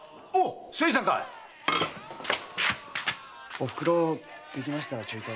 おふくろをできましたらちょいと。